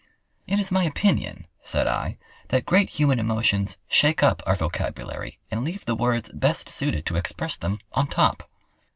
"It is my opinion," said I, "that great human emotions shake up our vocabulary and leave the words best suited to express them on top.